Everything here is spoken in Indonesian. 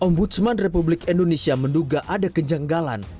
ombudsman republik indonesia menduga ada kejanggalan